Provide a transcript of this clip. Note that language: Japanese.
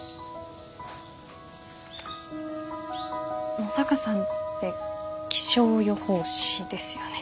野坂さんって気象予報士ですよね？